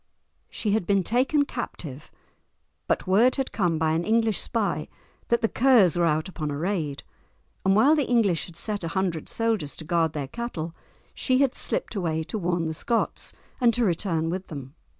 She had been taken captive, but word had came by an English spy that the Kers were out upon a raid, and while the English had set a hundred soldiers to guard their cattle she had slipped away to warn the Scots and to return with them.